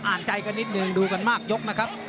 ใจกันนิดนึงดูกันมากยกนะครับ